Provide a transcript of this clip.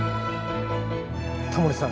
タモリさん